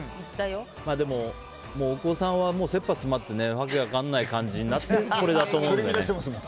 でも、大久保さんは切羽詰まって訳分かんない感じになってこれだと思うので。